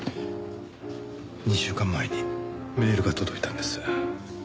２週間前にメールが届いたんです。